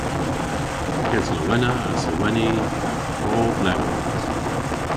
Keslowena a seweni a'th prov lewyans.